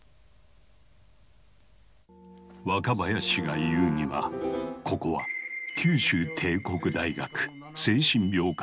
若林が言うにはここは九州帝国大学精神病科の病室。